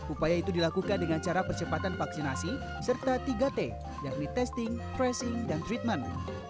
upaya itu dilakukan dengan cara percepatan vaksinasi serta tiga t yakni testing tracing dan treatment